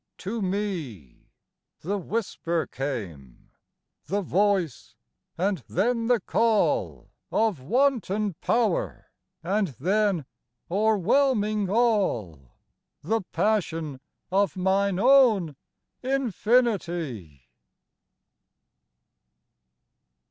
To me The whisper came, the voice and then the call Of wanton power, and then, o'erwhelming all, The passion of mine own infinity.